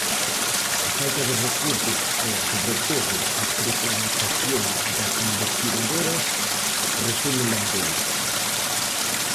"A falta de recursos e, sobre todo, a precarización das investigadoras", resume Lendoiro.